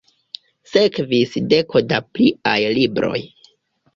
Sekvis deko da pliaj libroj.